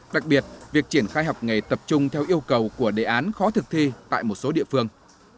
đặc biệt việc triển khai học nghề tập trung theo yêu cầu của đề án khó thực thi tại một số địa phương